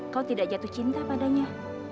kau tidak jatuh cinta padanya